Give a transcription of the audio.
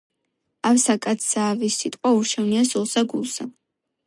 ავსა კაცსა ავი სიტყვა ურჩევნია სულსა გულსა